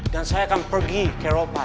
dan saya akan pergi ke europa